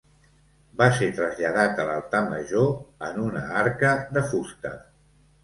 Va ser traslladat a l'altar major, en una arca de fusta.